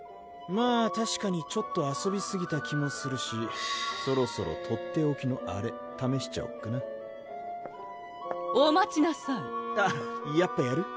まぁたしかにちょっと遊びすぎた気もするしそろそろとっておきのあれためしちゃおっかなお待ちなさいあっやっぱやる？